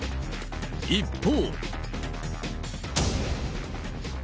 一方。